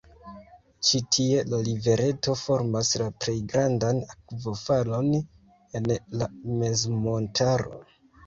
Ĉi-tie la rivereto formas la plej grandan akvofalon en la mezmontaro.